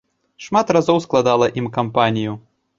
Шмат разоў складала ім кампанію.